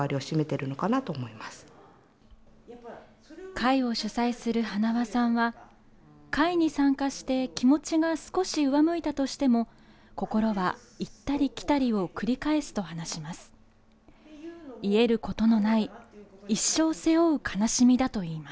会を主宰する塙さんは会に参加して気持ちが少し上向いたとしても心は行ったり来たりを繰り返すと話します。